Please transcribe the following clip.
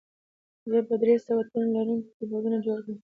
زه به درې سوه تڼۍ لرونکي کیبورډونه جوړ کړم